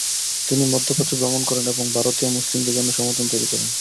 তিনি মধ্যপ্রাচ্য ভ্রমণ করেন এবং ভারতীয় মুসলিমদের জন্য সমর্থন তৈরী করেন।